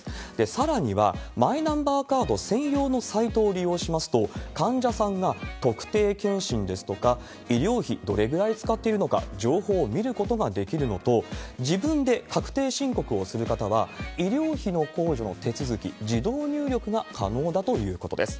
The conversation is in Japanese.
さらには、マイナンバーカード専用のサイトを利用しますと、患者さんは特定健診ですとか、医療費、どれぐらい使っているのか、情報を見ることができるのと、自分で確定申告をする方は、医療費の控除の手続き、自動入力が可能だということです。